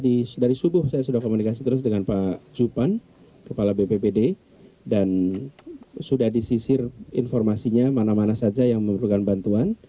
dan kita lihat dari subuh saya sudah komunikasi terus dengan pak jupan kepala bppd dan sudah disisir informasinya mana mana saja yang memerlukan bantuan